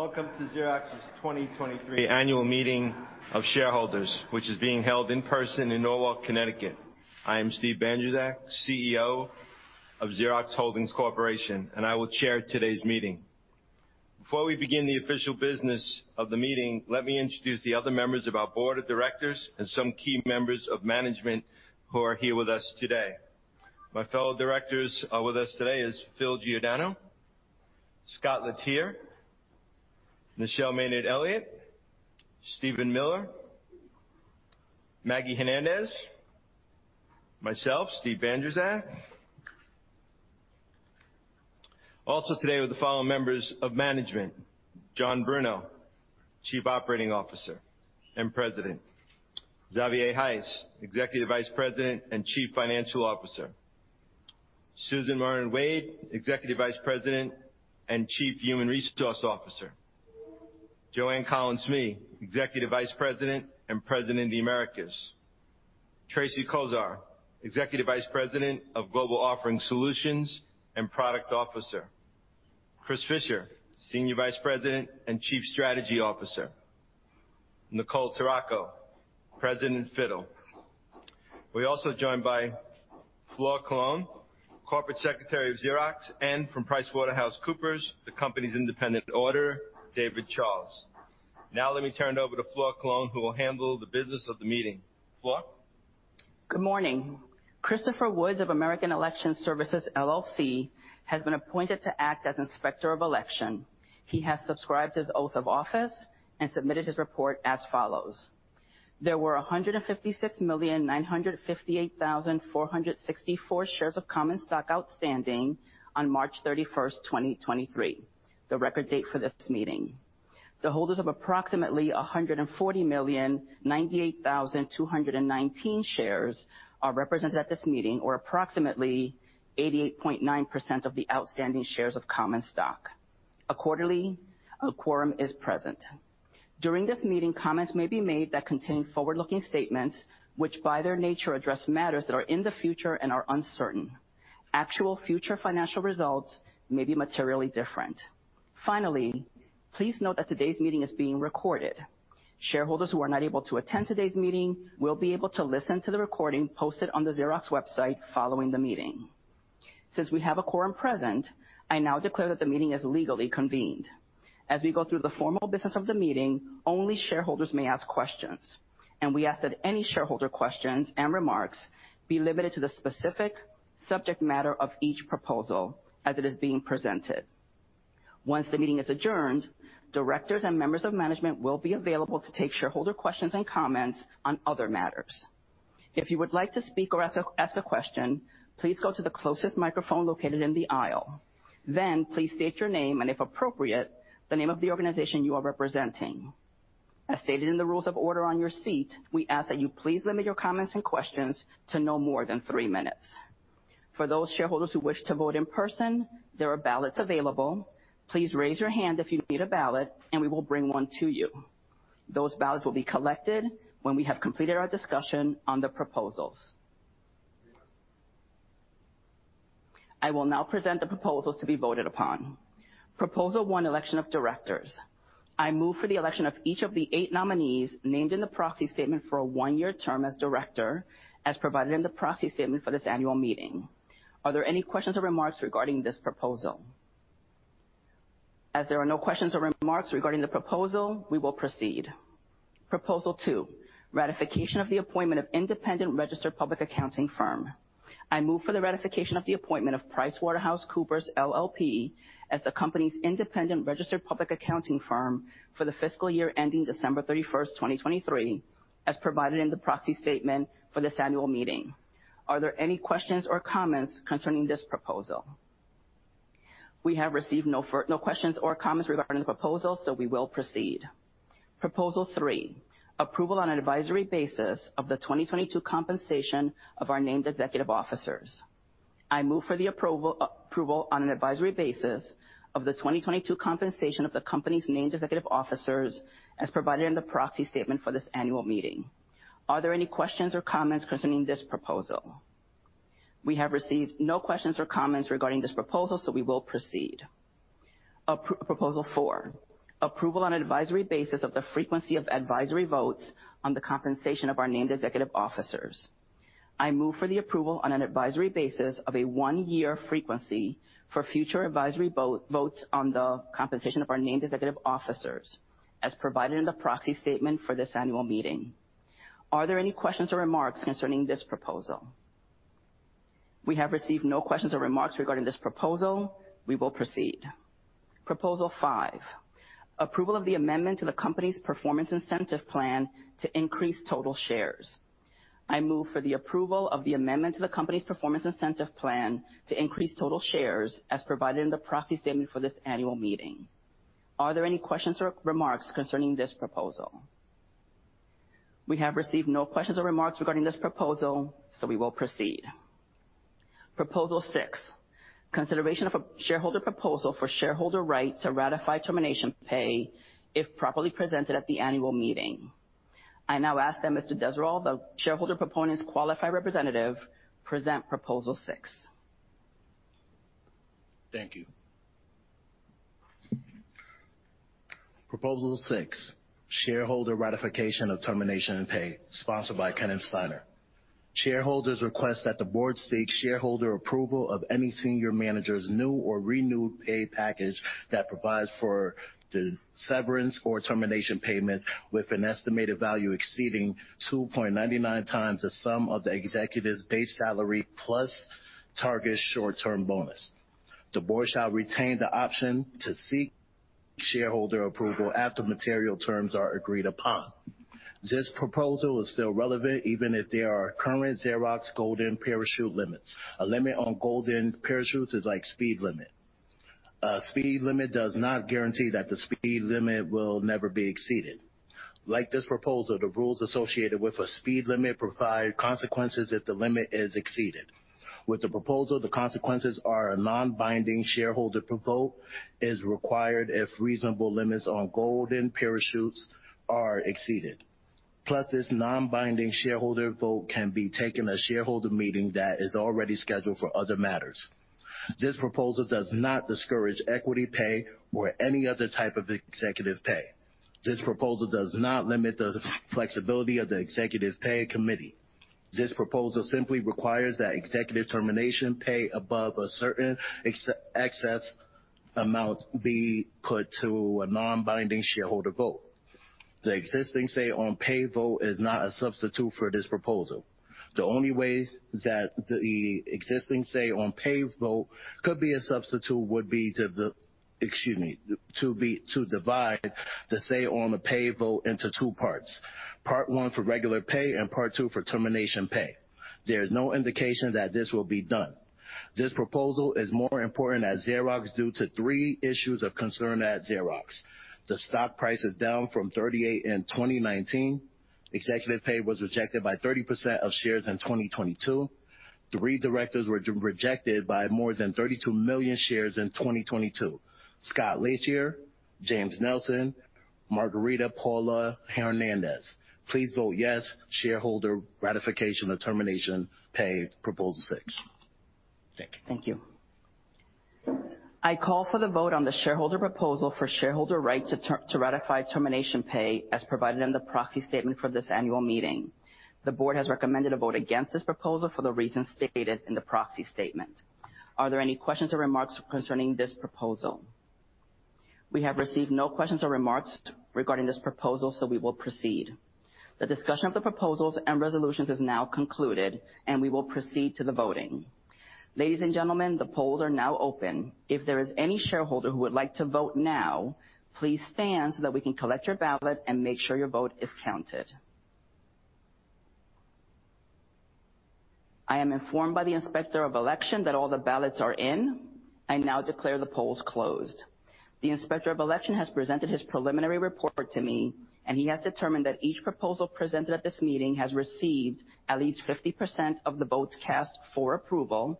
Welcome to Xerox's 2023 Annual Meeting of Shareholders, which is being held in person in Norwalk, Connecticut. I am Steve Bandrowczak, CEO of Xerox Holdings Corporation, and I will chair today's meeting. Before we begin the official business of the meeting, let me introduce the other members of our board of directors and some key members of management who are here with us today. My fellow directors, with us today is Philip Giordano, Scott Letier, Michelle Maynard-Elliott, Steve Bandrowczak, Margarita Plau-Hernandez. Also today are the following members of management: John Bruno, Chief Operating Officer and President, Xavier Heiss, Executive Vice President and Chief Financial Officer, Suzan Morno-Wade, Executive Vice President and Chief Human Resources Officer, Joanne Collins Smee, Executive Vice President and President of the Americas, Tracey Koziol, Executive Vice President of Global Offering Solutions and Chief Product Officer, Chris Fisher, Senior Vice President and Chief Strategy Officer, Nicole Torraco, President FITTLE. We're also joined by Flor Colón, Corporate Secretary of Xerox, and from PricewaterhouseCoopers, the company's independent auditor, David Charles. Now let me turn it over to Flor Colón, who will handle the business of the meeting. Flor? Good morning. Christopher Woods of American Election Services, LLC, has been appointed to act as Inspector of Election. He has subscribed his oath of office and submitted his report as follows: There were 156,958,464 shares of common stock outstanding on March 31st, 2023, the record date for this meeting. The holders of approximately 140,098,219 shares are represented at this meeting, or approximately 88.9% of the outstanding shares of common stock. Accordingly, a quorum is present. During this meeting, comments may be made that contain forward-looking statements, which, by their nature, address matters that are in the future and are uncertain. Actual future financial results may be materially different. Finally, please note that today's meeting is being recorded. Shareholders who are not able to attend today's meeting will be able to listen to the recording posted on the Xerox website following the meeting. Since we have a quorum present, I now declare that the meeting is legally convened. As we go through the formal business of the meeting, only shareholders may ask questions, and we ask that any shareholder questions and remarks be limited to the specific subject matter of each proposal as it is being presented. Once the meeting is adjourned, directors and members of management will be available to take shareholder questions and comments on other matters. If you would like to speak or ask a question, please go to the closest microphone located in the aisle. Please state your name and, if appropriate, the name of the organization you are representing. As stated in the rules of order on your seat, we ask that you please limit your comments and questions to no more than three minutes. For those shareholders who wish to vote in person, there are ballots available. Please raise your hand if you need a ballot, and we will bring one to you. Those ballots will be collected when we have completed our discussion on the proposals. I will now present the proposals to be voted upon. Proposal one, election of directors. I move for the election of each of the eight nominees named in the proxy statement for a one-year term as director, as provided in the proxy statement for this annual meeting. Are there any questions or remarks regarding this proposal? There are no questions or remarks regarding the proposal, we will proceed. Proposal two, ratification of the appointment of independent registered public accounting firm. I move for the ratification of the appointment of PricewaterhouseCoopers LLP as the company's independent registered public accounting firm for the fiscal year ending December thirty-first, 2023, as provided in the proxy statement for this annual meeting. Are there any questions or comments concerning this proposal? We have received no questions or comments regarding the proposal, so we will proceed. Proposal 3, approval on an advisory basis of the 2022 compensation of our named executive officers. I move for the approval on an advisory basis of the 2022 compensation of the company's named executive officers, as provided in the proxy statement for this annual meeting. Are there any questions or comments concerning this proposal? We have received no questions or comments regarding this proposal, so we will proceed. Proposal 4, approval on an advisory basis of the frequency of advisory votes on the compensation of our named executive officers. I move for the approval on an advisory basis of a 1-year frequency for future advisory votes on the compensation of our named executive officers, as provided in the proxy statement for this annual meeting. Are there any questions or remarks concerning this proposal? We have received no questions or remarks regarding this proposal. We will proceed. Proposal 5, approval of the amendment to the company's Performance Incentive Plan to increase total shares. I move for the approval of the amendment to the company's Performance Incentive Plan to increase total shares, as provided in the proxy statement for this annual meeting. Are there any questions or remarks concerning this proposal? We have received no questions or remarks regarding this proposal, we will proceed. Proposal 6, consideration of a shareholder proposal for shareholder right to ratify termination pay if properly presented at the annual meeting. I now ask that John Chevedden, the shareholder proponent's qualified representative, present Proposal 6.... Thank you. Proposal 6, shareholder ratification of termination and pay, sponsored by Kenneth Steiner. Shareholders request that the board seek shareholder approval of any senior manager's new or renewed pay package that provides for the severance or termination payments with an estimated value exceeding 2.99x the sum of the executive's base salary plus target short-term bonus. The board shall retain the option to seek shareholder approval after material terms are agreed upon. This proposal is still relevant even if there are current Xerox golden parachute limits. A limit on golden parachutes is like speed limit. A speed limit does not guarantee that the speed limit will never be exceeded. Like this proposal, the rules associated with a speed limit provide consequences if the limit is exceeded. With the proposal, the consequences are a non-binding shareholder vote is required if reasonable limits on golden parachutes are exceeded. This non-binding shareholder vote can be taken at a shareholder meeting that is already scheduled for other matters. This proposal does not discourage equity pay or any other type of executive pay. This proposal does not limit the flexibility of the executive pay committee. This proposal simply requires that executive termination pay above a certain excess amount be put to a non-binding shareholder vote. The existing say on pay vote is not a substitute for this proposal. The only way that the existing say on pay vote could be a substitute would be, excuse me, to divide the say on the pay vote into two parts. Part one for regular pay and part two for termination pay. There is no indication that this will be done. This proposal is more important at Xerox due to three issues of concern at Xerox. The stock price is down from 38 in 2019. Executive pay was rejected by 30% of shares in 2022. Three directors were rejected by more than 32 million shares in 2022. Scott Letier, James Nelson, Margarita Paláu-Hernández. Please vote yes, shareholder ratification or termination pay, proposal 6. Thank you. Thank you. I call for the vote on the shareholder proposal for shareholder right to ratify termination pay, as provided in the proxy statement for this annual meeting. The board has recommended a vote against this proposal for the reasons stated in the proxy statement. Are there any questions or remarks concerning this proposal? We have received no questions or remarks regarding this proposal, so we will proceed. The discussion of the proposals and resolutions is now concluded, and we will proceed to the voting. Ladies and gentlemen, the polls are now open. If there is any shareholder who would like to vote now, please stand so that we can collect your ballot and make sure your vote is counted. I am informed by the Inspector of Election that all the ballots are in. I now declare the polls closed. The Inspector of Election has presented his preliminary report to me. He has determined that each proposal presented at this meeting has received at least 50% of the votes cast for approval,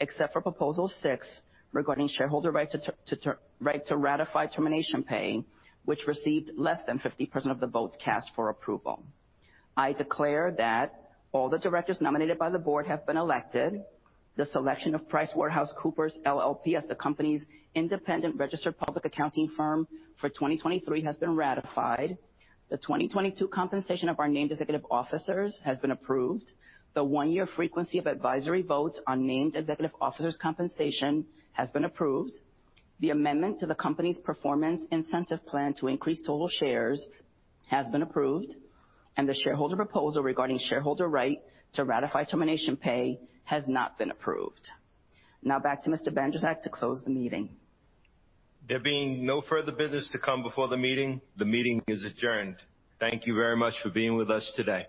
except for Proposal 6, regarding shareholder right to ratify termination pay, which received less than 50% of the votes cast for approval. I declare that all the directors nominated by the board have been elected. The selection of PricewaterhouseCoopers LLP as the company's independent registered public accounting firm for 2023 has been ratified. The 2022 compensation of our named executive officers has been approved. The one-year frequency of advisory votes on named executive officers' compensation has been approved. The amendment to the company's Performance Incentive Plan to increase total shares has been approved. The shareholder proposal regarding shareholder right to ratify termination pay has not been approved. Back to Mr. Bandszak to close the meeting. There being no further business to come before the meeting, the meeting is adjourned. Thank you very much for being with us today.